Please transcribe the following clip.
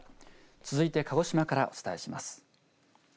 続いて鹿児島からお伝えします。